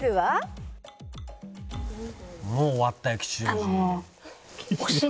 「もう終わったよ吉祥寺」